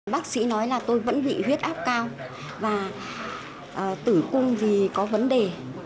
bác sĩ nói là tôi vẫn bị huyết áp cao và tử cung vì có vấn đề